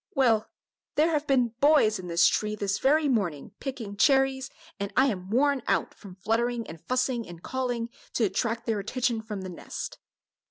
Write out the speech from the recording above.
"Well, there have been boys in this tree this very morning, picking cherries, and I am worn out with fluttering and fussing and calling, to attract their attention from the nest."